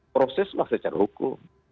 proseslah secara hukum